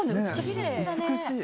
美しい。